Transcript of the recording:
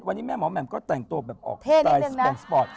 วันนี้แม่หมอแหม่มก็แต่งตัวแบบออกสไตล์สปองสปอร์ต